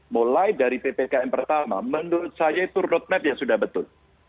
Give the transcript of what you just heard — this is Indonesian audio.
mulai dari ppkm pertama menurut saya itu roadmap yang sudah betul